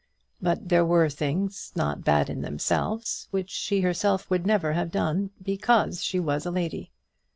But there were things, not bad in themselves, which she herself would never have done, because she was a lady.